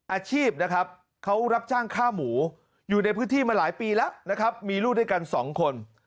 อาชีพนะครับเขารับจ้างค่าหมูอยู่ในพื้นที่มาหลายปีแล้วนะครับมีลูกด้วยกันสองคน